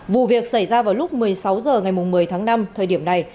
vụ việc xảy ra vào lúc một mươi sáu h ngày một mươi tháng năm thời điểm này